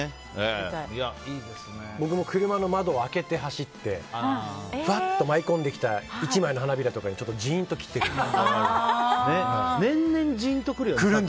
僕も、車の窓を開けて走ってふわっと舞い込んできた１枚の花びらとかに年々ジーンと来るよね